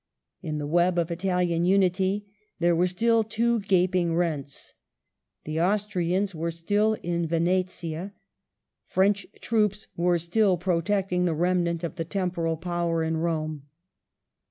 In the web of Italian Unity there were still two gaping rents. The Austrians were still in Venetia ; French troops were still protecting the remnant of the Temporal Power in Rome.